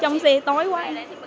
trong xe tối quá